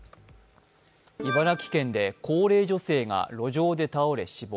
茨城県で高齢女性が路上で倒れ、死亡。